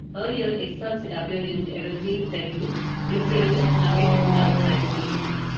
Earlier excerpts had appeared in "Evergreen Review", "Big Table", "Nugget", and "The London Magazine".